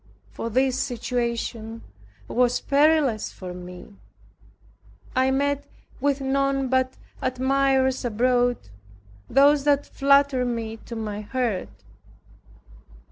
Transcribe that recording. For this situation was perilous for me. I met with none but admirers abroad, those that flattered me to my hurt.